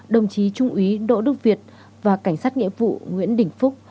đồng chí trung ý đỗ đức việt và cảnh sát nghệ vụ nguyễn đình phúc